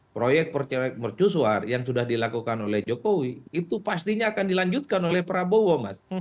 proyek percerai mercusuar yang sudah dilakukan oleh jokowi itu pastinya akan dilanjutkan oleh prabowo mas